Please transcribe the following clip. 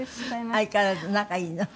相変わらず仲いいの？